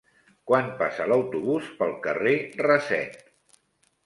Quan passa l'autobús pel carrer Raset?